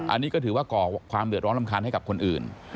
อันนี้ก็ถือว่าก่อความเดือดร้อนรำคาญให้กับคนอื่น